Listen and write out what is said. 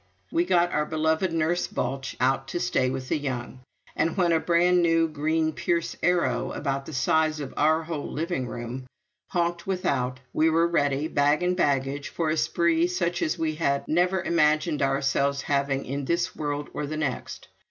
We got our beloved Nurse Balch out to stay with the young, and when a brand new green Pierce Arrow, about the size of our whole living room, honked without, we were ready, bag and baggage, for a spree such as we had never imagined ourselves having in this world or the next.